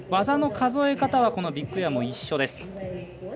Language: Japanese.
技の数え方はビッグエアも一緒です。